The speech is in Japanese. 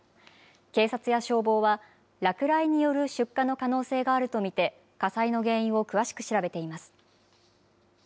警察や消防は、落雷による出火の可能性があると見て、火災の原因を詳しく調べています。